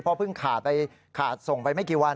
เพิ่งขาดไปขาดส่งไปไม่กี่วัน